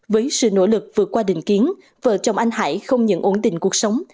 với sự nỗ lực vượt qua định kiến vợ chồng anh hải không những ổn định cuộc sống